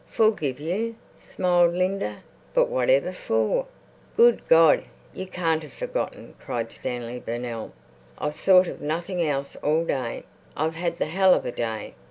"Forgive you?" smiled Linda. "But whatever for?" "Good God! You can't have forgotten," cried Stanley Burnell. "I've thought of nothing else all day. I've had the hell of a day.